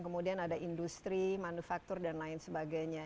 kemudian ada industri manufaktur dan lain sebagainya